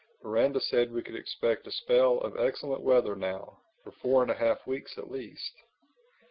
Miranda said we could expect a spell of excellent weather now—for four and a half weeks at least."